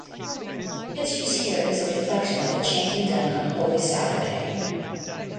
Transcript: Its use here is a reflection of the chanting done on Holy Saturday.